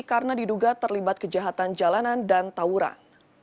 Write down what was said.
karena diduga terlibat kejahatan jalanan dan tawuran